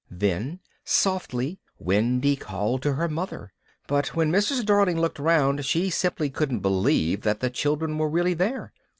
Then softly Wendy called to her mother. But when Mrs. Darling looked round she simply couldn't believe that the children were really there.